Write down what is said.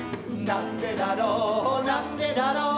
「なんでだろうなんでだろう」